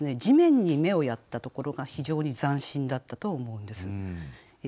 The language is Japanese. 地面に目をやったところが非常に斬新だったと思うんです。